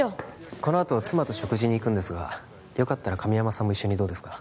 このあと妻と食事に行くんですがよかったら神山さんも一緒にどうですか？